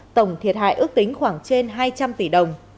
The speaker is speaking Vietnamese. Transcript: tổng thiệt hại ước tính khoảng trên hai trăm linh tỷ đồng